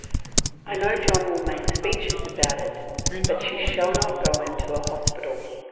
"I know John will make speeches about it, but she shall not go into an hospital....